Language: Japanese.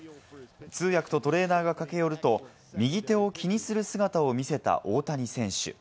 通訳とトレーナーが駆け寄ると、右手を気にする姿を見せた大谷選手。